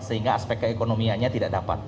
sehingga aspek keekonomiannya tidak dapat